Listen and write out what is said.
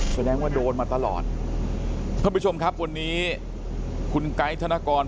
แสดงว่าโดนมาตลอดท่านผู้ชมครับวันนี้คุณไกด์ธนกร